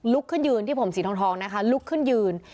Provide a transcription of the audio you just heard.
ขึ้นยืนที่ผมสีทองนะคะลุกขึ้นยืน